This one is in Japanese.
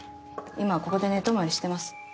今はここで寝泊まりしてます。